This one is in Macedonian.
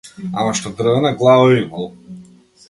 Ама што дрвена глава имал.